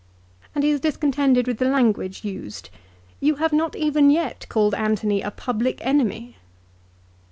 And he is discontented with the language used. " You have not even yet called Antony a ' public enemy.'